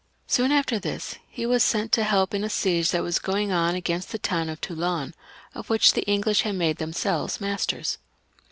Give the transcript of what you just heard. Soon after this he was sent to help in a siege that was going on against the town of Toulon, of which the English had made themselves masters.